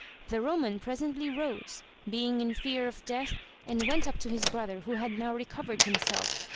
The Roman presently rose, being in fear of death, and went up to his brother who had now re covered himself.